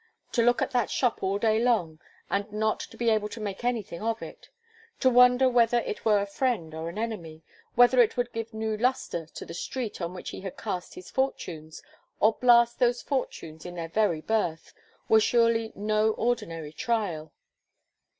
To look at that shop all the day long, and not to be able to make anything of it; to wonder whether it were a friend or an enemy; whether it would give new lustre to the street on which he had cast his fortunes, or blast those fortunes in their very birth, was surely no ordinary trial.